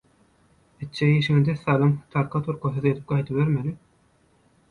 Etjek işiňi dessalym, tarka-turkasyz edip gaýdybermeli.